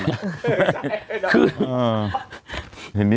ใช่คืออ่า